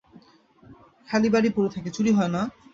খালি বাড়ি পড়ে থাকে, চুরি হয় না?